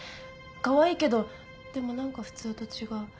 かわいいけどでも何か普通と違う。